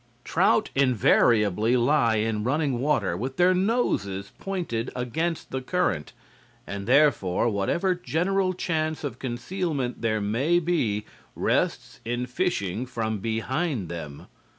"Trout invariably lie in running water with their noses pointed against the current, and therefore whatever general chance of concealment there may be rests in fishing from behind them.